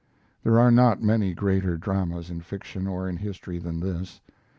There are not many greater dramas in fiction or in history than this.